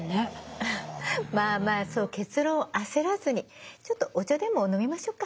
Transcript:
まあまあそう結論を焦らずにちょっとお茶でも飲みましょうか。